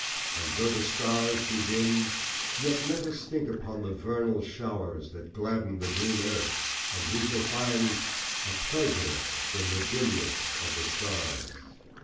and though the stars be dim, Yet let us think upon the vernal showers That gladden the green earth, and we shall find A pleasure in the dimness of the stars.